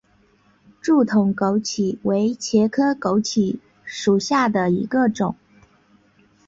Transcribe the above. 柱筒枸杞为茄科枸杞属下的一个种。